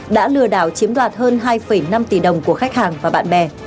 đã lừa đảo chiếm đoạt hơn hai năm tỷ đồng của khách hàng và bạn bè